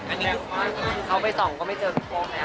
อันนี้เขาไปส่องก็ไม่เจอพี่โป๊กแล้ว